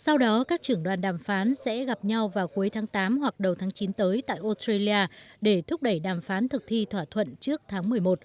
sau đó các trưởng đoàn đàm phán sẽ gặp nhau vào cuối tháng tám hoặc đầu tháng chín tới tại australia để thúc đẩy đàm phán thực thi thỏa thuận trước tháng một mươi một